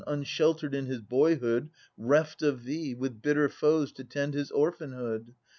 Unsheltered in his boyhood, reft of thee, With bitter foes to tend his orphanhood.